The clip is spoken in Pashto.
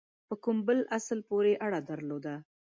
په کوم بل اصل پوري اړه درلوده.